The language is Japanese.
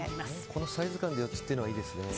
このサイズ感で４つというのがいいですね。